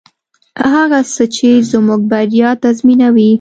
هغه څه چې زموږ بریا تضمینوي.